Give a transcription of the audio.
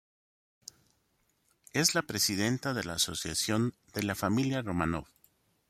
Es la presidenta de la Asociación de la Familia Románov.